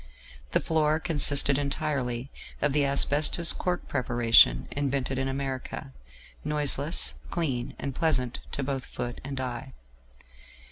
The floor consisted entirely of the asbestos cork preparation invented in America, noiseless, clean, and pleasant to both foot and eye.